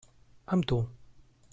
Amb tu.